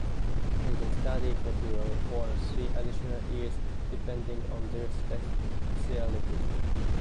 They then study for two or three additional years depending on their specialty.